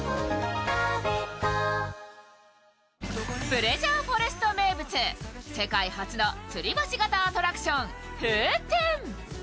プレジャーフォレスト名物、世界初のつり橋型アトラクション風天。